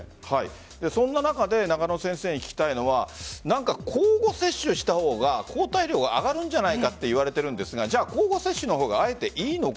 そんな中で中野先生に聞きたいのは交互接種した方が抗体量が上がるんじゃないかといわれているんですが交互接種の方があえていいのか。